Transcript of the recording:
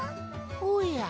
おや？